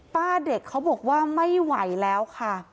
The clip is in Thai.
ป้าเด็กเขาบอกว่าไม่ไหวแล้วค่ะ